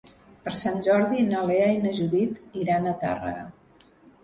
Per Sant Jordi na Lea i na Judit iran a Tàrrega.